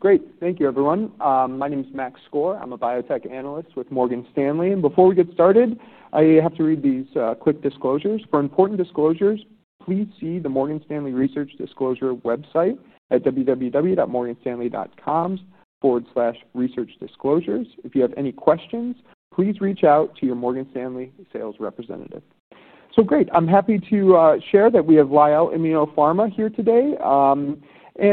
Great. Thank you, everyone. My name is Max Skor. I'm a biotech analyst with Morgan Stanley. Before we get started, I have to read these quick disclosures. For important disclosures, please see the Morgan Stanley Research Disclosure website at www.morganstanley.com/researchdisclosures. If you have any questions, please reach out to your Morgan Stanley sales representative. I'm happy to share that we have Lyell Immunopharma here today.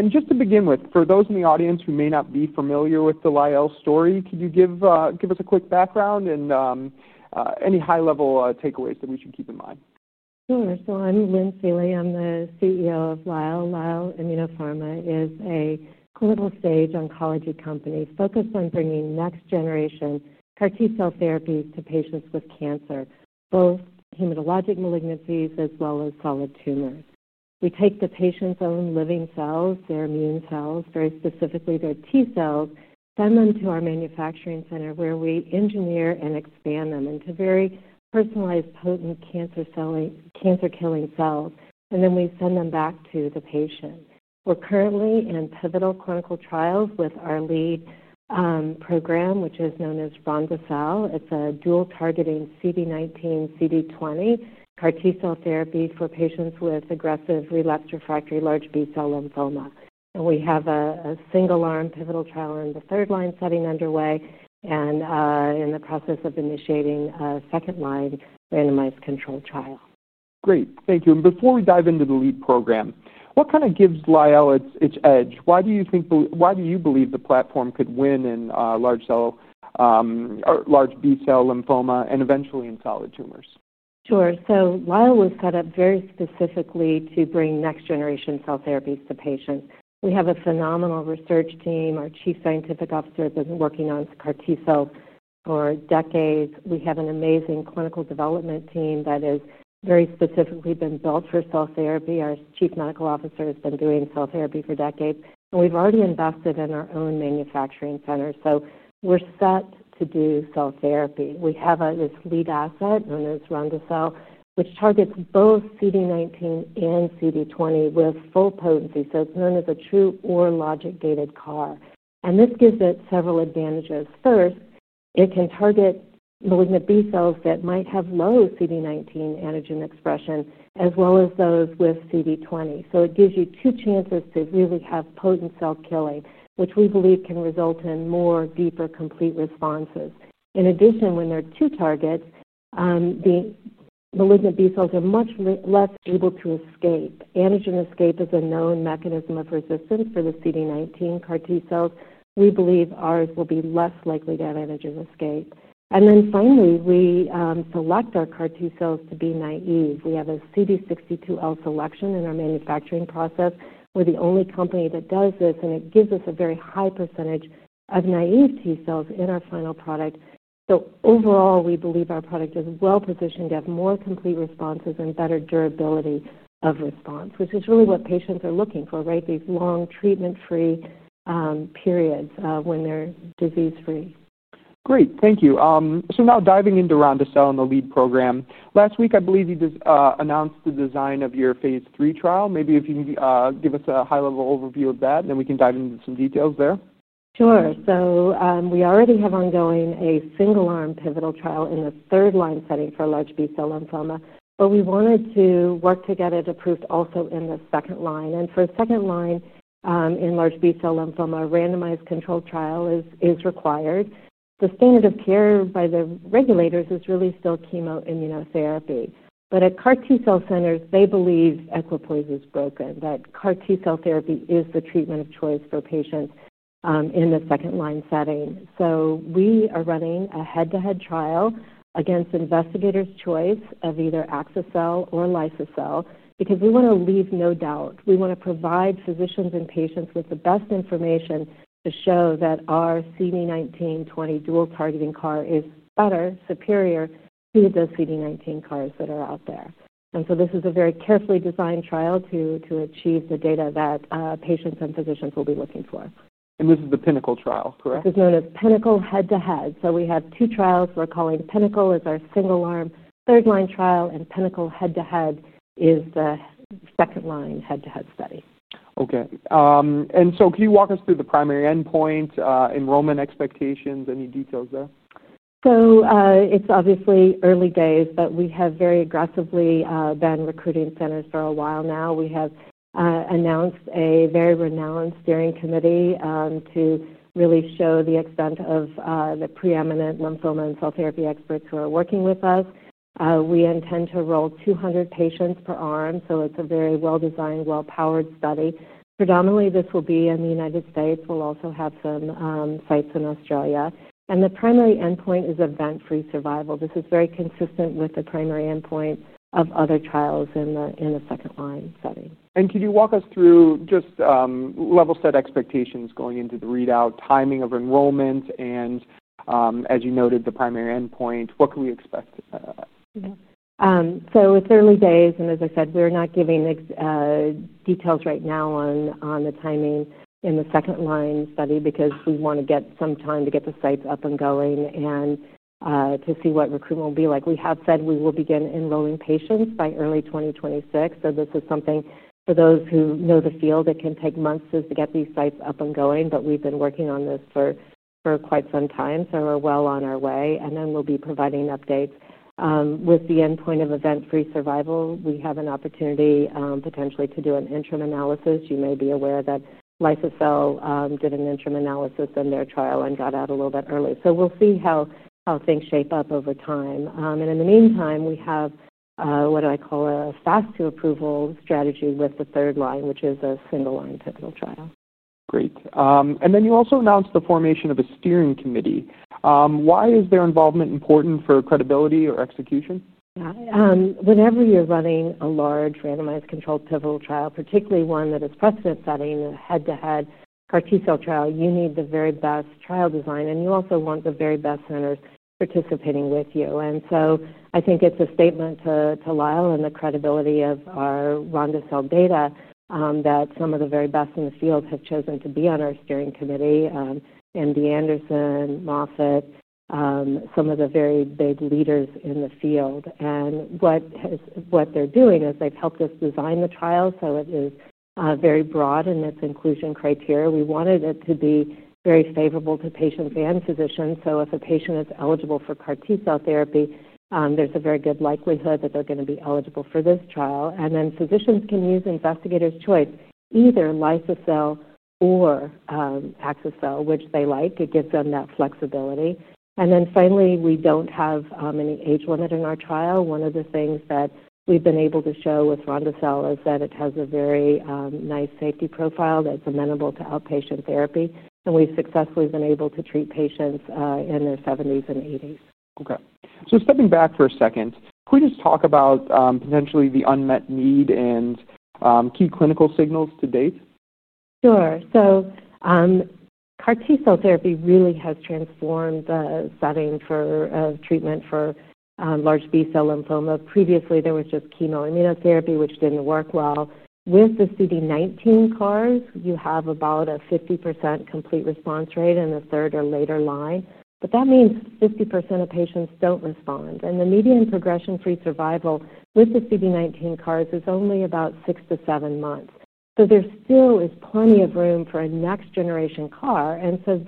Just to begin with, for those in the audience who may not be familiar with the Lyell story, could you give us a quick background and any high-level takeaways that we should keep in mind? Sure. I'm Lynn Seeley. I'm the CEO of Lyell. Lyell Immunopharma is a clinical-stage oncology company focused on bringing next-generation CAR T cell therapy to patients with cancer, both hematologic malignancies as well as solid tumors. We take the patient's own living cells, their immune cells, very specifically their T cells, send them to our manufacturing center where we engineer and expand them into very personalized, potent cancer-killing cells. We then send them back to the patient. We're currently in pivotal clinical trials with our lead program, which is known as RONDACELL. It's a dual-targeting CD19, CD20 CAR T cell therapy for patients with aggressive relapse refractory large B-cell lymphoma. We have a single-arm pivotal trial in the third-line setting underway and are in the process of initiating a second-line randomized controlled trial. Great. Thank you. Before we dive into the lead program, what kind of gives Lyell Immunopharma its edge? Why do you think, why do you believe the platform could win in large B-cell lymphoma and eventually in solid tumors? Sure. Lyell Immunopharma was set up very specifically to bring next-generation cell therapies to patients. We have a phenomenal research team. Our Chief Scientific Officer has been working on CAR T cell therapy for decades. We have an amazing clinical development team that has very specifically been built for cell therapy. Our Chief Medical Officer has been doing cell therapy for decades. We've already invested in our own manufacturing center. We're set to do cell therapy. We have this lead asset known as RONDACELL, which targets both CD19 and CD20 with full potency. It's known as a true or logic-gated CAR. This gives it several advantages. First, it can target malignant B cells that might have low CD19 antigen expression, as well as those with CD20. It gives you two chances to really have potent cell killing, which we believe can result in more, deeper complete responses. In addition, when there are two targets, the malignant B cells are much less able to escape. Antigen escape is a known mechanism of resistance for the CD19 CAR T cells. We believe ours will be less likely to have antigen escape. Finally, we select our CAR T cells to be naïve. We have a CD62L selection in our manufacturing process. We're the only company that does this, and it gives us a very high percentage of naïve T cells in our final product. Overall, we believe our product is well positioned to have more complete responses and better durability of response, which is really what patients are looking for, right? These long treatment-free periods when they're disease-free. Great. Thank you. Now diving into RONDACELL and the lead program. Last week, I believe you just announced the design of your phase three trial. Maybe if you can give us a high-level overview of that, and then we can dive into some details there. Sure. We already have ongoing a single-arm pivotal trial in the third-line setting for large B-cell lymphoma. We wanted to work to get it approved also in the second line. For a second line in large B-cell lymphoma, a randomized controlled trial is required. The standard of care by the regulators is really still chemoimmunotherapy. At CAR T cell centers, they believe equipoise is broken, that CAR T cell therapy is the treatment of choice for patients in the second-line setting. We are running a head-to-head trial against investigators' choice of either axicabtagene ciloleucel or Breyanzi because we want to leave no doubt. We want to provide physicians and patients with the best information to show that our CD19, CD20 dual-targeting CAR is better, superior to the CD19 CARs that are out there. This is a very carefully designed trial to achieve the data that patients and physicians will be looking for. This is the pivotal trial, correct? This is known as Pinnacle head-to-head. We have two trials we're calling Pinnacle as our single-arm third-line trial, and Pinnacle head-to-head is the second-line head-to-head study. OK, can you walk us through the primary endpoint, enrollment expectations, any details there? It is obviously early days, but we have very aggressively been recruiting centers for a while now. We have announced a very renowned steering committee to really show the extent of the preeminent lymphoma and cell therapy experts who are working with us. We intend to enroll 200 patients per arm. It is a very well-designed, well-powered study. Predominantly, this will be in the U.S. We will also have some sites in Australia. The primary endpoint is event-free survival. This is very consistent with the primary endpoint of other trials in the second-line setting. Can you walk us through just level-set expectations going into the readout, timing of enrollment, and as you noted, the primary endpoint? What can we expect? It's early days. As I said, we're not giving details right now on the timing in the second-line study because we want to get some time to get the sites up and going and to see what recruitment will be like. We have said we will begin enrolling patients by early 2026. For those who know the field, it can take months to get these sites up and going. We've been working on this for quite some time, so we're well on our way and we'll be providing updates. With the endpoint of event-free survival, we have an opportunity potentially to do an interim analysis. You may be aware that Breyanzi did an interim analysis in their trial and got out a little bit early. We'll see how things shape up over time. In the meantime, we have what I call a fast-to-approval strategy with the third line, which is a single-arm pivotal trial. Great. You also announced the formation of a steering committee. Why is their involvement important for credibility or execution? Yeah. Whenever you're running a large randomized controlled pivotal trial, particularly one that is precedent-setting, a head-to-head CAR T cell trial, you need the very best trial design. You also want the very best centers participating with you. I think it's a statement to Lyell Immunopharma and the credibility of our RONDACELL data that some of the very best in the field have chosen to be on our steering committee: MD Anderson, Moffitt Cancer Center, some of the very big leaders in the field. What they're doing is they've helped us design the trial, so it is very broad in its inclusion criteria. We wanted it to be very favorable to patients and physicians. If a patient is eligible for CAR T cell therapy, there's a very good likelihood that they're going to be eligible for this trial. Physicians can use investigators' choice, either Breyanzi or Yescarta, which they like. It gives them that flexibility. Finally, we don't have any age limit in our trial. One of the things that we've been able to show with RONDACELL is that it has a very nice safety profile that's amenable to outpatient therapy. We've successfully been able to treat patients in their 70s and 80s. OK. Stepping back for a second, can we just talk about potentially the unmet need and key clinical signals to date? Sure. CAR T cell therapy really has transformed the setting for treatment for large B-cell lymphoma. Previously, there was just chemoimmunotherapy, which didn't work well. With the CD19 CARs, you have about a 50% complete response rate in the third or later line. That means 50% of patients don't respond. The median progression-free survival with the CD19 CARs is only about six to seven months. There still is plenty of room for a next-generation CAR.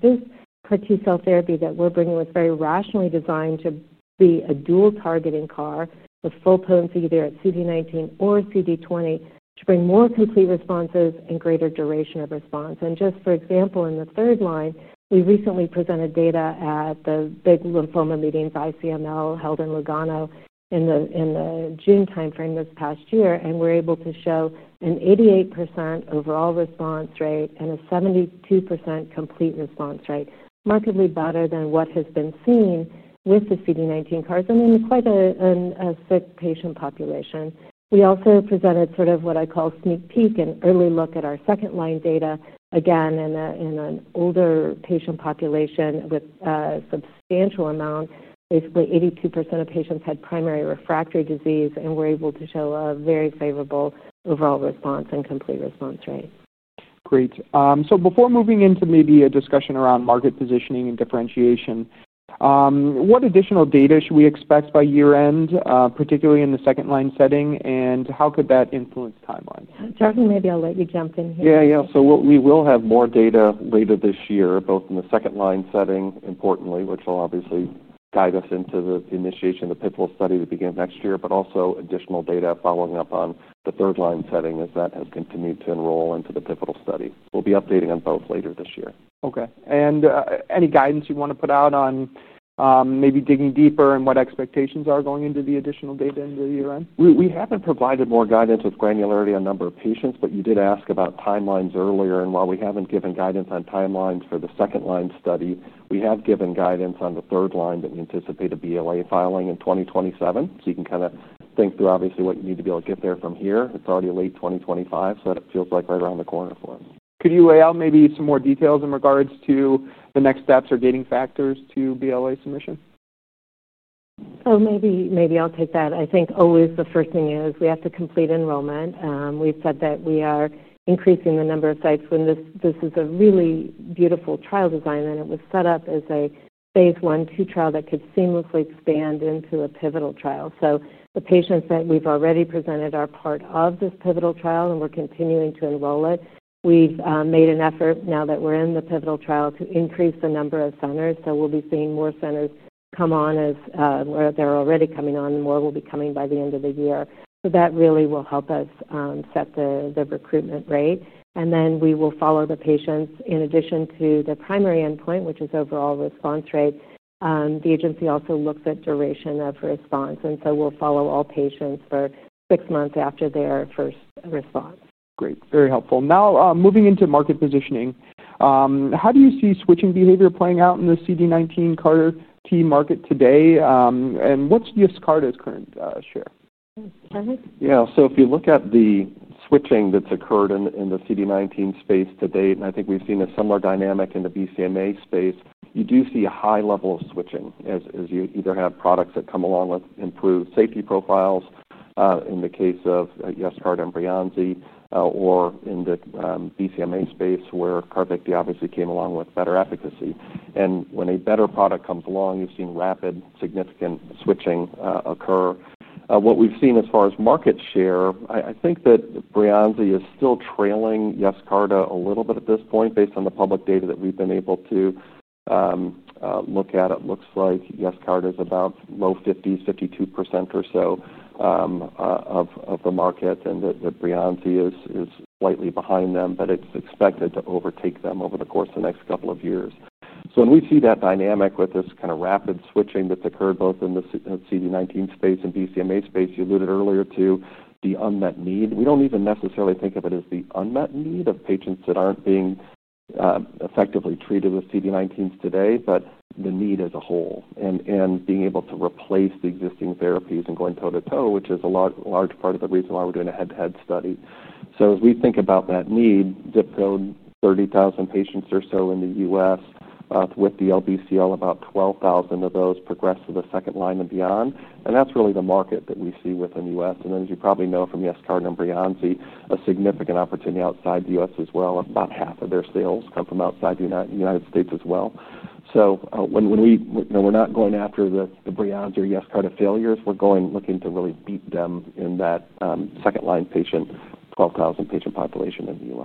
This CAR T cell therapy that we're bringing is very rationally designed to be a dual-targeting CAR with full potency either at CD19 or CD20 to bring more complete responses and greater duration of response. For example, in the third line, we recently presented data at the big lymphoma meetings, ICML, held in Lugano in the June time frame this past year. We were able to show an 88% overall response rate and a 72% complete response rate, markedly better than what has been seen with the CD19 CARs. It's quite a thick patient population. We also presented what I call a sneak peek, an early look at our second-line data, again in an older patient population with a substantial amount. Basically, 82% of patients had primary refractory disease and were able to show a very favorable overall response and complete response rate. Great. Before moving into maybe a discussion around market positioning and differentiation, what additional data should we expect by year-end, particularly in the second-line setting? How could that influence timeline? Charlie, maybe I'll let you jump in here. Yeah, yeah. We will have more data later this year, both in the second-line setting, importantly, which will obviously guide us into the initiation of the pivotal study to begin next year, but also additional data following up on the third-line setting as that has continued to enroll into the pivotal study. We'll be updating on both later this year. OK. Is there any guidance you want to put out on maybe digging deeper and what expectations are going into the additional data into the year-end? We haven't provided more guidance with granularity on a number of patients. You did ask about timelines earlier. While we haven't given guidance on timelines for the second-line study, we have given guidance on the third line, and we anticipate a BLA filing in 2027. You can kind of think through, obviously, what you need to be able to get there from here. It's already late 2025, so that feels like right around the corner for them. Could you lay out maybe some more details in regards to the next steps or gating factors to BLA submission? Maybe I'll take that. I think always the first thing is we have to complete enrollment. We've said that we are increasing the number of sites when this is a really beautiful trial design. It was set up as a phase one, two trial that could seamlessly expand into a pivotal trial. The patients that we've already presented are part of this pivotal trial, and we're continuing to enroll it. We've made an effort now that we're in the pivotal trial to increase the number of centers. We'll be seeing more centers come on as they're already coming on, and more will be coming by the end of the year. That really will help us set the recruitment rate. We will follow the patients in addition to the primary endpoint, which is overall response rate. The agency also looks at duration of response, and we'll follow all patients for six months after their first response. Great. Very helpful. Now moving into market positioning, how do you see switching behavior playing out in the CD19 CAR T market today? What's Yescarta's current share? Yeah. If you look at the switching that's occurred in the CD19 space to date, and I think we've seen a similar dynamic in the BCMA space, you do see a high level of switching as you either have products that come along with improved safety profiles, in the case of Yescarta and Breyanzi, or in the BCMA space where Carvykti obviously came along with better efficacy. When a better product comes along, you've seen rapid, significant switching occur. What we've seen as far as market share, I think that Breyanzi is still trailing Yescarta a little bit at this point based on the public data that we've been able to look at. It looks like Yescarta is about low 50s, 52% or so of the market, and Breyanzi is slightly behind them. It's expected to overtake them over the course of the next couple of years. When we see that dynamic with this kind of rapid switching that's occurred both in the CD19 space and BCMA space, you alluded earlier to the unmet need. We don't even necessarily think of it as the unmet need of patients that aren't being effectively treated with CD19s today, but the need as a whole and being able to replace the existing therapies and going toe to toe, which is a large part of the reason why we're doing a head-to-head study. As we think about that need, about 30,000 patients or so in the U.S. with DLBCL, about 12,000 of those progress to the second line and beyond. That's really the market that we see within the U.S. As you probably know from Yescarta and Breyanzi, there's a significant opportunity outside the U.S. as well. About half of their sales come from outside the United States as well. We're not going after the Breyanzi or Yescarta failures; we're looking to really beat them in that second-line patient, 12,000 patient population in the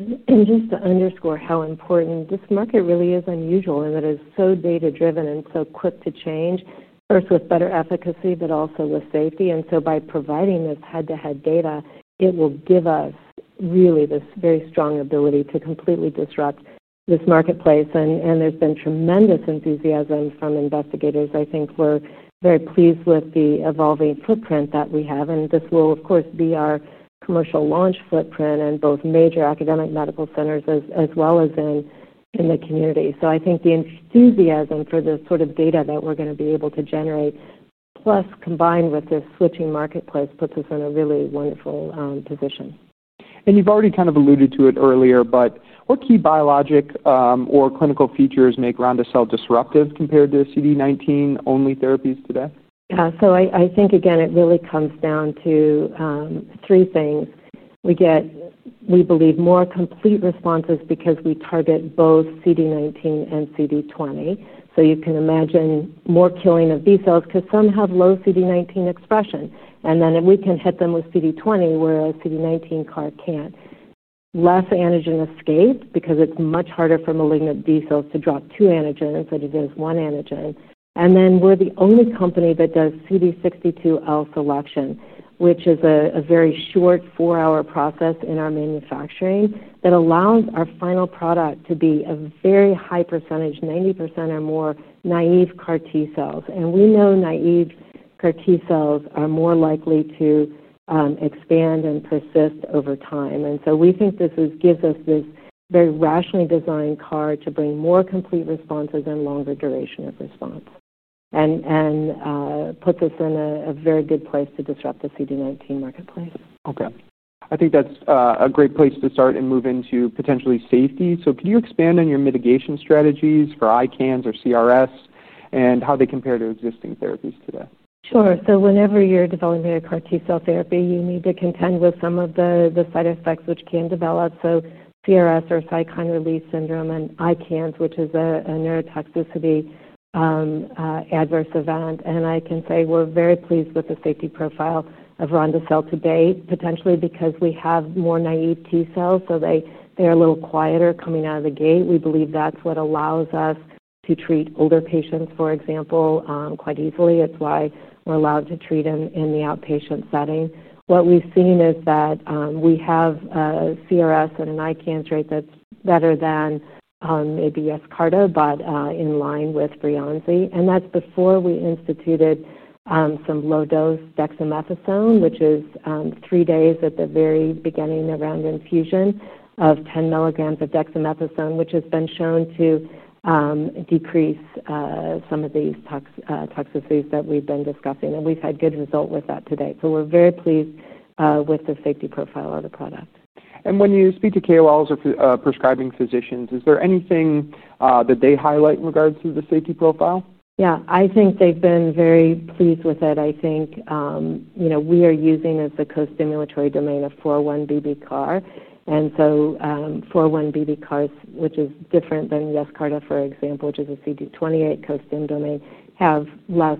U.S. To underscore how important this market really is, it is unusual in that it is so data-driven and so quick to change, first with better efficacy, but also with safety. By providing this head-to-head data, it will give us this very strong ability to completely disrupt this marketplace. There has been tremendous enthusiasm from investigators. I think we're very pleased with the evolving footprint that we have. This will, of course, be our commercial launch footprint in both major academic medical centers as well as in the community. I think the enthusiasm for the sort of data that we're going to be able to generate, combined with this switching marketplace, puts us in a really wonderful position. You've already kind of alluded to it earlier. What key biologic or clinical features make RONDACELL disruptive compared to CD19-only therapies today? Yeah. I think, again, it really comes down to three things. We get, we believe, more complete responses because we target both CD19 and CD20. You can imagine more killing of B cells because some have low CD19 expression, and then we can hit them with CD20, where a CD19 CAR can't. Less antigen escape because it's much harder for malignant B cells to drop two antigens than it is one antigen. We're the only company that does CD62L selection, which is a very short four-hour process in our manufacturing that allows our final product to be a very high percentage, 90% or more, naïve CAR T cells. We know naïve CAR T cells are more likely to expand and persist over time. We think this gives us this very rationally designed CAR to bring more complete responses and longer duration of response and puts us in a very good place to disrupt the CD19 marketplace. OK. I think that's a great place to start and move into potentially safety. Can you expand on your mitigation strategies for ICANS or CRS and how they compare to existing therapies today? Sure. So whenever you're developing a CAR T cell therapy, you need to contend with some of the side effects which can develop. CRS, or cytokine release syndrome, and ICANS, which is a neurotoxicity adverse event. I can say we're very pleased with the safety profile of RONDACELL to date, potentially because we have more naïve T cells. They are a little quieter coming out of the gate. We believe that's what allows us to treat older patients, for example, quite easily. It's why we're allowed to treat them in the outpatient setting. What we've seen is that we have a CRS and an ICANS rate that's better than maybe Yescarta, but in line with Breyanzi. That's before we instituted some low-dose dexamethasone, which is three days at the very beginning around infusion of 10 milligrams of dexamethasone, which has been shown to decrease some of these toxicities that we've been discussing. We've had good results with that to date. We're very pleased with the safety profile of the product. When you speak to KOLs or prescribing physicians, is there anything that they highlight in regards to the safety profile? Yeah. I think they've been very pleased with it. I think we are using as the co-stimulatory domain a 4-1BB CAR. 4-1BB CARs, which is different than Yescarta, for example, which is a CD28 co-stim domain, have less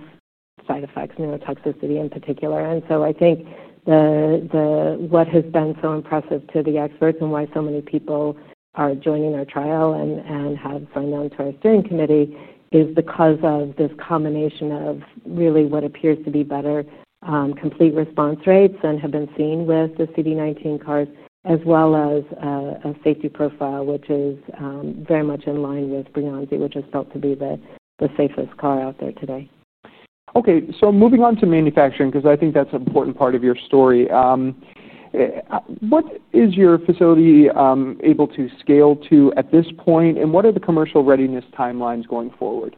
side effects, neurotoxicity in particular. I think what has been so impressive to the experts and why so many people are joining our trial and have signed on to our steering committee is because of this combination of really what appears to be better complete response rates than have been seen with the CD19 CARs, as well as a safety profile, which is very much in line with Breyanzi, which is felt to be the safest CAR out there today. OK, moving on to manufacturing, because I think that's an important part of your story, what is your facility able to scale to at this point? What are the commercial readiness timelines going forward?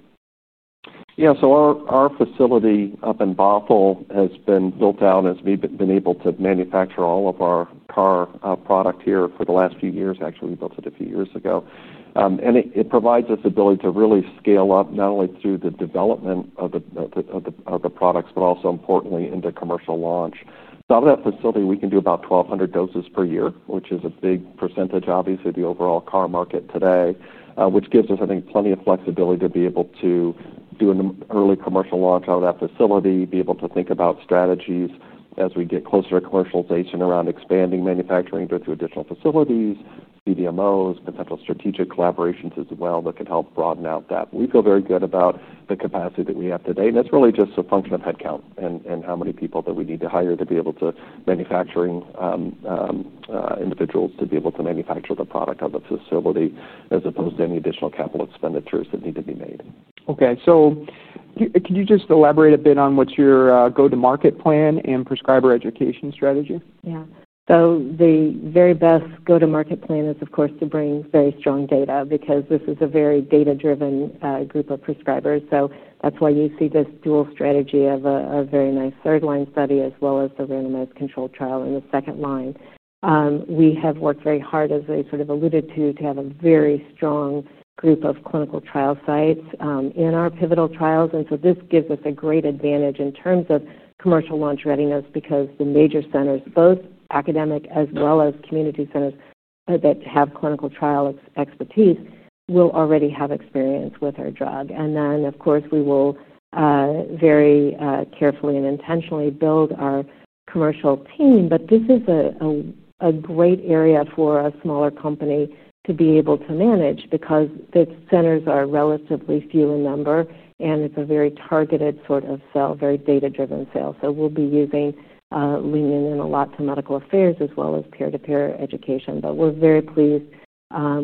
Yeah. Our facility up in Bothell, Washington has been built out as we've been able to manufacture all of our CAR T product here for the last few years, actually. We built it a few years ago, and it provides us the ability to really scale up not only through the development of the products, but also importantly into commercial launch. Out of that facility, we can do about 1,200 doses per year, which is a big % of the overall CAR T market today, which gives us, I think, plenty of flexibility to be able to do an early commercial launch out of that facility and be able to think about strategies as we get closer to commercialization around expanding manufacturing to additional facilities, CDMOs, potential strategic collaborations as well that can help broaden out that. We feel very good about the capacity that we have today, and it's really just a function of headcount and how many people that we need to hire, manufacturing individuals to be able to manufacture the product at the facility as opposed to any additional capital expenditures that need to be made. OK. Can you just elaborate a bit on what's your go-to-market plan and prescriber education strategy? Yeah. The very best go-to-market plan is, of course, to bring very strong data because this is a very data-driven group of prescribers. That's why you see this dual strategy of a very nice third-line study as well as the randomized controlled trial in the second line. We have worked very hard, as I sort of alluded to, to have a very strong group of clinical trial sites in our pivotal trials. This gives us a great advantage in terms of commercial launch readiness because the major centers, both academic as well as community centers that have clinical trial expertise, will already have experience with our drug. We will very carefully and intentionally build our commercial team. This is a great area for a smaller company to be able to manage because the centers are relatively few in number. It's a very targeted sort of sale, very data-driven sale. We'll be leaning in a lot to medical affairs as well as peer-to-peer education. We're very pleased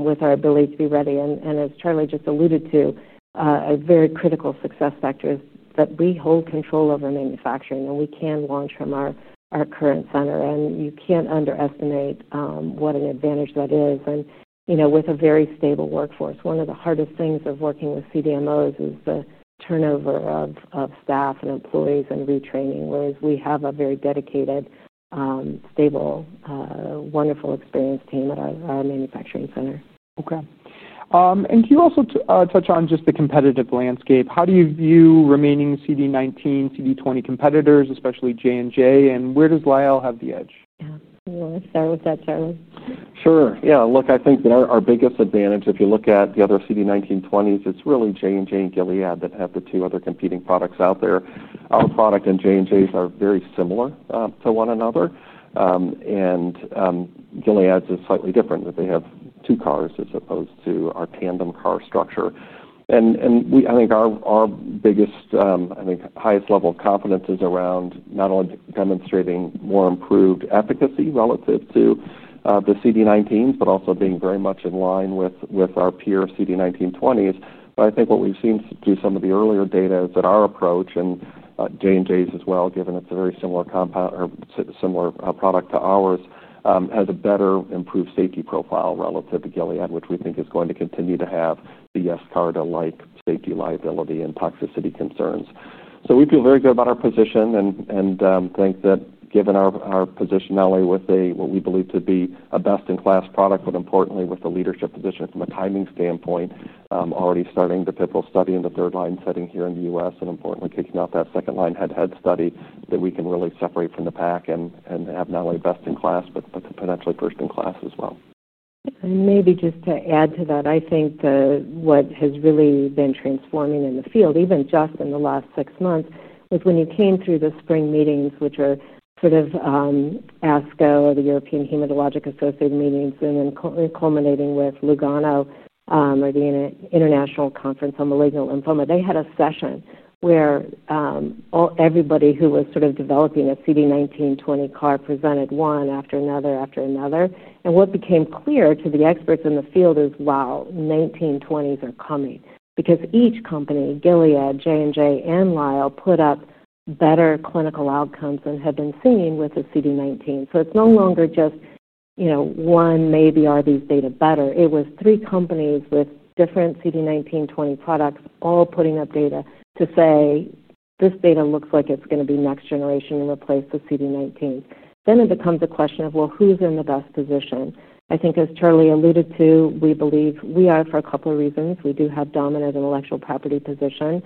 with our ability to be ready. As Charlie just alluded to, a very critical success factor is that we hold control over manufacturing. We can launch from our current center. You can't underestimate what an advantage that is. With a very stable workforce, one of the hardest things of working with CDMOs is the turnover of staff and employees and retraining. We have a very dedicated, stable, wonderful experienced team at our manufacturing center. OK. Can you also touch on just the competitive landscape? How do you view remaining CD19, CD20 competitors, especially J&J? Where does Lyell have the edge? Yeah. You want to start with that, Charlie? Sure. Yeah. Look, I think that our biggest advantage, if you look at the other CD19, 20s, it's really J&J and Gilead that have the two other competing products out there. Our product and J&J's are very similar to one another. Gilead's is slightly different in that they have two CARs as opposed to our tandem CAR structure. I think our biggest, highest level of confidence is around not only demonstrating more improved efficacy relative to the CD19, but also being very much in line with our peer CD19, 20s. What we've seen through some of the earlier data is that our approach and J&J's as well, given it's a very similar product to ours, has a better improved safety profile relative to Gilead, which we think is going to continue to have the Yescarta-like safety, liability, and toxicity concerns. We feel very good about our position and think that given our position, with what we believe to be a best-in-class product, but importantly with the leadership position from a timing standpoint, already starting the pivotal study in the third-line setting here in the U.S. and importantly kicking off that second-line head-to-head study, we can really separate from the pack and have not only best-in-class, but potentially first-in-class as well. Maybe just to add to that, I think what has really been transforming in the field, even just in the last six months, was when you came through the spring meetings, which are sort of ASCO or the European Hematologic Associated Meetings, and then culminating with Lugano or the International Conference on Malignant Lymphoma. They had a session where everybody who was sort of developing a CD19, CD20 CAR presented one after another after another. What became clear to the experts in the field is, wow, CD19, CD20s are coming because each company, Gilead, J&J, and Lyell Immunopharma, put up better clinical outcomes than had been seen with a CD19. It's no longer just, you know, one, maybe are these data better? It was three companies with different CD19, CD20 products all putting up data to say, this data looks like it's going to be next generation and replace the CD19. It becomes a question of, who's in the best position? I think as Charlie alluded to, we believe we are for a couple of reasons. We do have dominant intellectual property position.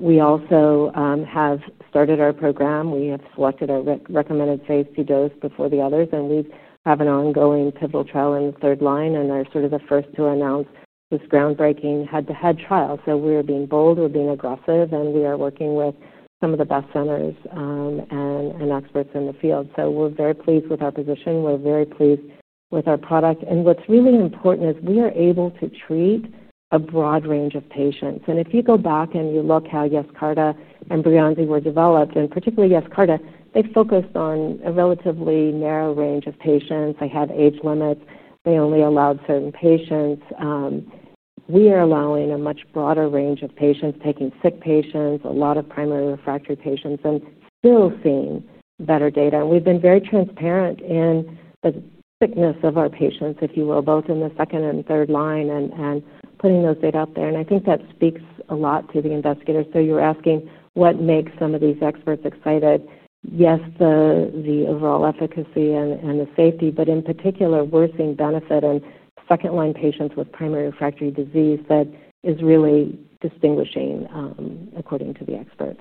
We also have started our program. We have selected our recommended safety dose before the others. We have an ongoing pivotal trial in the third line. They're sort of the first to announce this groundbreaking head-to-head trial. We are being bold. We're being aggressive. We are working with some of the best centers and experts in the field. We're very pleased with our position. We're very pleased with our product. What's really important is we are able to treat a broad range of patients. If you go back and you look how Yescarta and Breyanzi were developed, and particularly Yescarta, they focused on a relatively narrow range of patients. They had age limits. They only allowed certain patients. We are allowing a much broader range of patients, taking sick patients, a lot of primary refractory patients, and still seeing better data. We've been very transparent in the sickness of our patients, if you will, both in the second and third line and putting those data out there. I think that speaks a lot to the investigators. You're asking what makes some of these experts excited? Yes, the overall efficacy and the safety. In particular, we're seeing benefit in second-line patients with primary refractory disease. That is really distinguishing, according to the experts.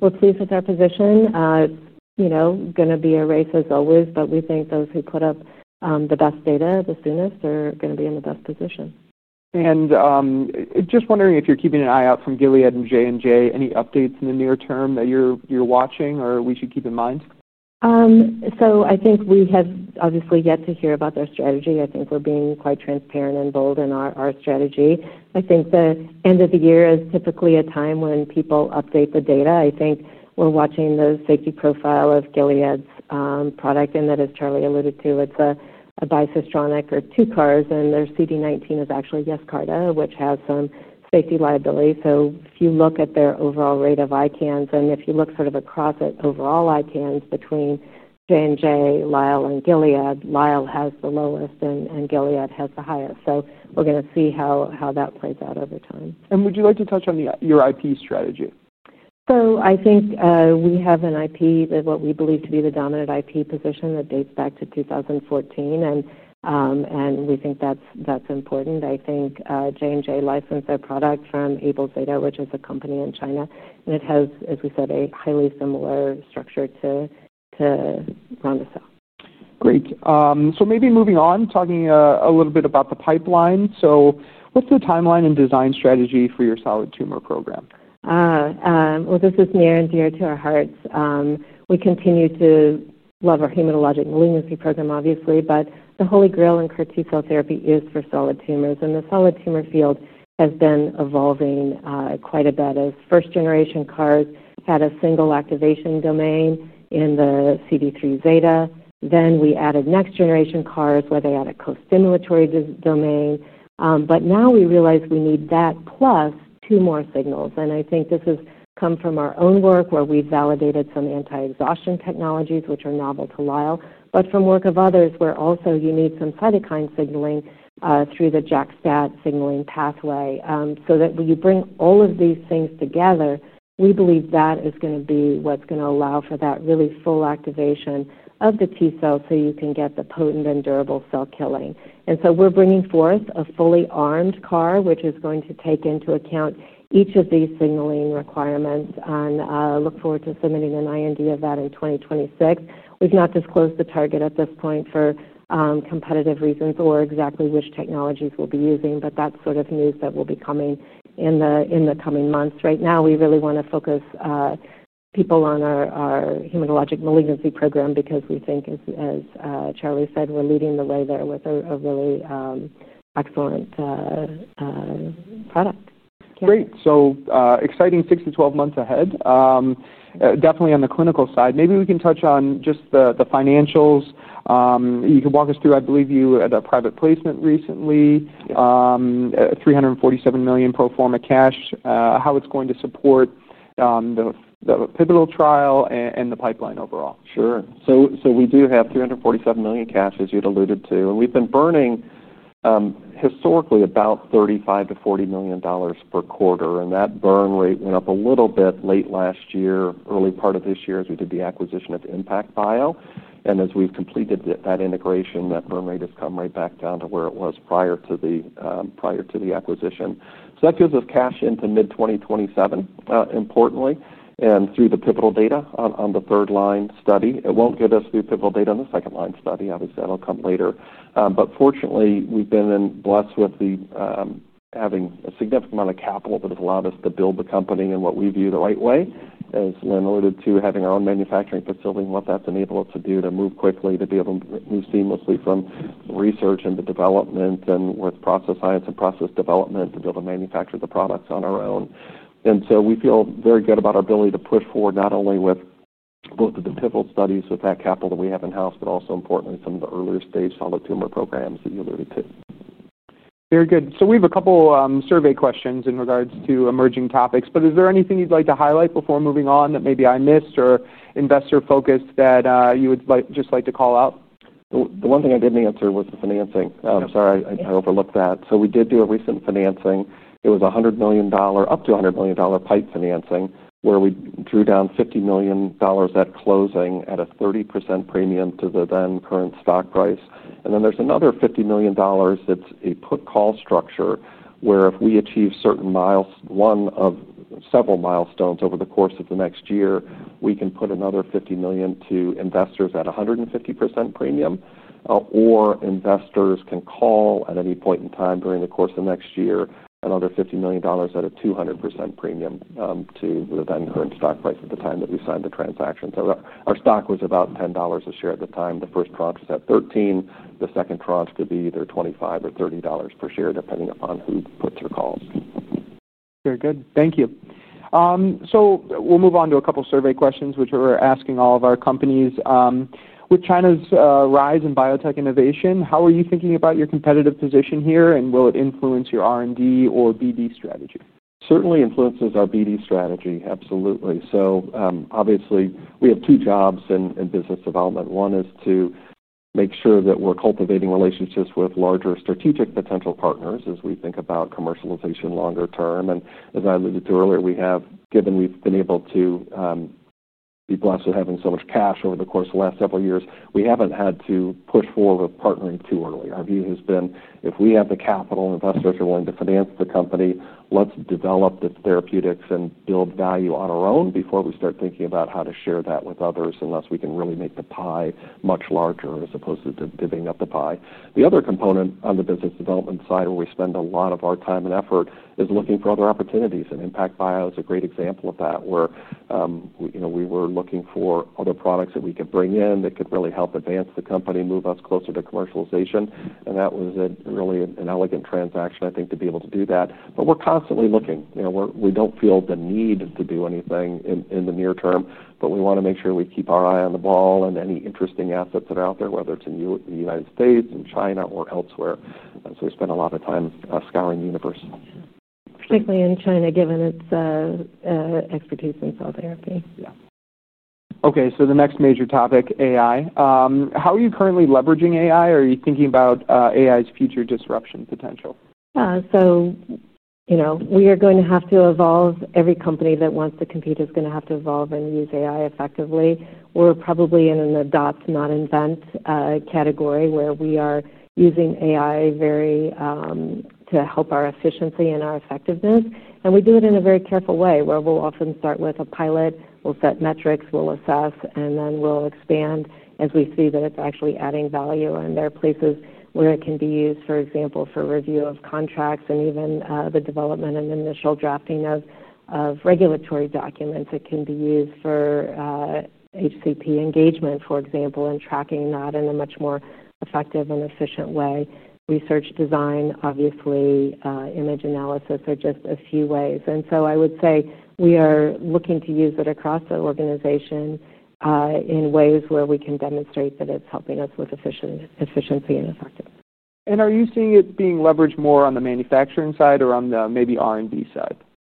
We're pleased with our position. It's going to be a race as always. We think those who put up the best data the soonest, they're going to be in the best position. Are you keeping an eye out from Gilead and J&J, any updates in the near term that you're watching or we should keep in mind? I think we have obviously yet to hear about their strategy. I think we're being quite transparent and bold in our strategy. I think the end of the year is typically a time when people update the data. I think we're watching the safety profile of Gilead's product. As Charlie alluded to, it's a bispecific or two CARs. Their CD19 is actually Yescarta, which has some safety liability. If you look at their overall rate of ICANS and if you look across overall ICANS between J&J, Lyell, and Gilead, Lyell has the lowest and Gilead has the highest. We're going to see how that plays out over time. Would you like to touch on your IP strategy? I think we have an IP of what we believe to be the dominant IP position that dates back to 2014. We think that's important. I think J&J licensed their product from Able Data, which is a company in China. It has, as we said, a highly similar structure to RONDACELL. Great. Maybe moving on, talking a little bit about the pipeline. What's your timeline and design strategy for your solid tumor program? This is near and dear to our hearts. We continue to love our hematologic malignancy program, obviously. The holy grail in CAR T cell therapy is for solid tumors. The solid tumor field has been evolving quite a bit, as first-generation CARs had a single activation domain in the CD3 beta. Then we added next-generation CARs where they had a co-stimulatory domain. Now we realize we need that plus two more signals. I think this has come from our own work where we've validated some anti-exhaustion technologies, which are novel to Lyell Immunopharma, but from work of others where also you need some cytokine signaling through the JAK-STAT signaling pathway. When you bring all of these things together, we believe that is going to be what's going to allow for that really full activation of the T cell so you can get the potent and durable cell killing. We are bringing forth a fully armed CAR, which is going to take into account each of these signaling requirements. I look forward to submitting an IND of that in 2026. We've not disclosed the target at this point for competitive reasons or exactly which technologies we'll be using. That's sort of news that will be coming in the coming months. Right now, we really want to focus people on our hematologic malignancy program because we think, as Charlie said, we're leading the way there with a really excellent product. Great. Exciting 6 to 12 months ahead, definitely on the clinical side. Maybe we can touch on just the financials. You could walk us through, I believe you had a private placement recently, $347 million pro forma cash, how it's going to support the pivotal trial and the pipeline overall. Sure. We do have $347 million cash, as you had alluded to. We've been burning historically about $35 to $40 million per quarter. That burn rate went up a little bit late last year, early part of this year, as we did the acquisition of ImpactBio. As we've completed that integration, that burn rate has come right back down to where it was prior to the acquisition. That gives us cash into mid-2027, importantly, and through the pivotal data on the third-line study. It won't get us through pivotal data on the second-line study. Obviously, that'll come later. Fortunately, we've been blessed with having a significant amount of capital that has allowed us to build the company in what we view the right way. As Lynn alluded to, having our own manufacturing facility and what that's enabled us to do to move quickly, to be able to move seamlessly from research and the development and with process science and process development to be able to manufacture the products on our own. We feel very good about our ability to push forward not only with both the pivotal studies with that capital that we have in-house, but also importantly some of the earlier stage solid tumor programs that you alluded to. Very good. We have a couple of survey questions in regards to emerging topics. Is there anything you'd like to highlight before moving on that maybe I missed or investor-focused that you would just like to call out? The one thing I didn't answer was the financing. Sorry, I overlooked that. We did do a recent financing. It was up to $100 million PIPE financing where we drew down $50 million at closing at a 30% premium to the then-current stock price. There is another $50 million that's a put-call structure where if we achieve certain milestones, one of several milestones over the course of the next year, we can put another $50 million to investors at a 150% premium. Investors can call at any point in time during the course of the next year another $50 million at a 200% premium to the then-current stock price at the time that we signed the transaction. Our stock was about $10 a share at the time. The first tranche was at $13. The second tranche could be either $25 or $30 per share, depending on who puts or calls. Very good. Thank you. We'll move on to a couple of survey questions, which we're asking all of our companies. With China's rise in biotech innovation, how are you thinking about your competitive position here? Will it influence your R&D or BD strategy? Certainly influences our BD strategy, absolutely. Obviously, we have two jobs in business development. One is to make sure that we're cultivating relationships with larger strategic potential partners as we think about commercialization longer term. As I alluded to earlier, given we've been able to be blessed with having so much cash over the course of the last several years, we haven't had to push forward with partnering too early. Our view has been, if we have the capital and investors are willing to finance the company, let's develop the therapeutics and build value on our own before we start thinking about how to share that with others unless we can really make the pie much larger as opposed to divvying up the pie. The other component on the business development side where we spend a lot of our time and effort is looking for other opportunities. ImpactBio is a great example of that where we were looking for other products that we could bring in that could really help advance the company, move us closer to commercialization. That was really an elegant transaction, I think, to be able to do that. We're constantly looking. We don't feel the need to do anything in the near term. We want to make sure we keep our eye on the ball and any interesting assets that are out there, whether it's in the United States, in China, or elsewhere. We spend a lot of time scouring the universe. Particularly in China, given its expertise in cell therapy. OK. The next major topic, AI. How are you currently leveraging AI? Are you thinking about AI's future disruption potential? Yeah. You know we are going to have to evolve. Every company that wants to compete is going to have to evolve and use AI effectively. We're probably in an adopt, not invent category where we are using AI to help our efficiency and our effectiveness. We do it in a very careful way where we'll often start with a pilot, set metrics, assess, and then expand as we see that it's actually adding value. There are places where it can be used, for example, for review of contracts and even the development and initial drafting of regulatory documents. It can be used for HCP engagement, for example, and tracking that in a much more effective and efficient way. Research design, obviously, image analysis, are just a few ways. I would say we are looking to use it across the organization in ways where we can demonstrate that it's helping us with efficiency and effectiveness. Are you seeing it being leveraged more on the manufacturing side or on the maybe R&D side?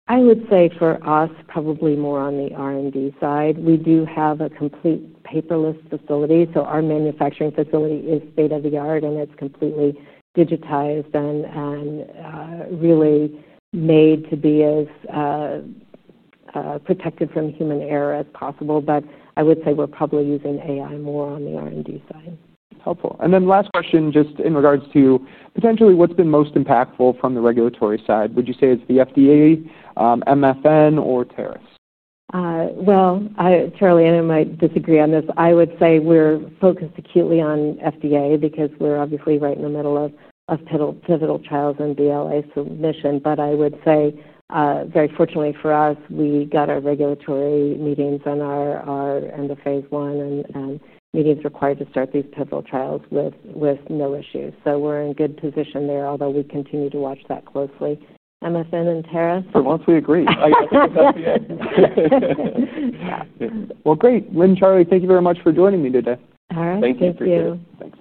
I would say for us, probably more on the R&D side. We do have a complete paperless facility. Our manufacturing facility is state-of-the-art, completely digitized, and really made to be as protected from human error as possible. I would say we're probably using AI more on the R&D side. Helpful. Last question, just in regards to potentially what's been most impactful from the regulatory side. Would you say it's the FDA, MFN, or tariffs? Charlie, I might disagree on this. I would say we're focused acutely on FDA because we're obviously right in the middle of pivotal trials and BLA submission. I would say very fortunately for us, we got our regulatory meetings and our end of phase one and meetings required to start these pivotal trials with no issues. We're in good position there, although we continue to watch that closely. MFN and tariffs? Once we agree, I think it's FDA. Great. Lynn and Charlie, thank you very much for joining me today. All right. Thank you. Thank you.